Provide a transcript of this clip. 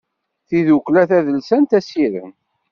Tidukla tadelsant Asirem.